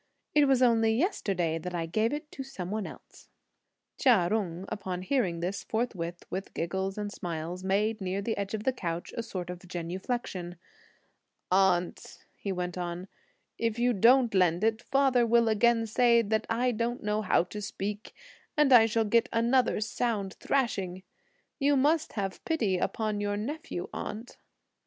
"It was only yesterday that I gave it to some one." Chia Jung, upon hearing this, forthwith, with giggles and smiles, made, near the edge of the couch, a sort of genuflexion. "Aunt," he went on, "if you don't lend it, father will again say that I don't know how to speak, and I shall get another sound thrashing. You must have pity upon your nephew, aunt."